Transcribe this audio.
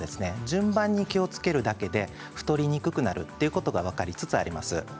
順番に気をつけるだけで太りにくくなるということが分かりつつあります。